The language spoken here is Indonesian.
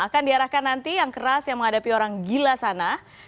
akan diarahkan nanti yang keras yang menghadapi orang gila sana